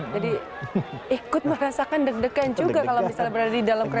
jadi ikut merasakan deg degan juga kalau misalnya berada di dalam kereta